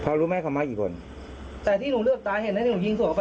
เพราะรู้ไหมเขามากี่คนแต่ที่หนูเลือกตาเห็นแล้วที่หนูยิงส่วนเข้าไป